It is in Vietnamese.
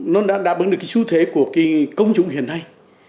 nó đã đáp ứng được cái xu thế của cái công chúng hiện nay